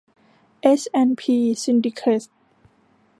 เอส แอนด์ พี ซินดิเคท